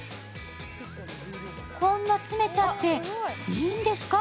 こんな詰めちゃっていいんですか？